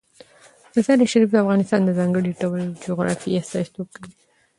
مزارشریف د افغانستان د ځانګړي ډول جغرافیه استازیتوب کوي.